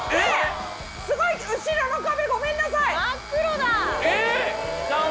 すごい後ろの壁ごめんなさい。